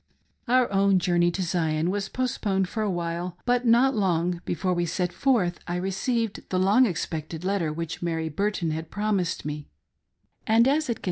Our own journey to Zion was postponed for a while ; but not long before we set forth, I received the long expected letter which Mary Burton had promised me ; and as it con A TERRIBLE STORY.